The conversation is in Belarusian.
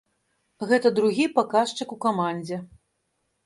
Гэта другі паказчык у камандзе.